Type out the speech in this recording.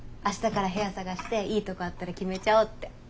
明日から部屋探していいとこあったら決めちゃおうって。